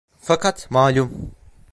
Fakat malum…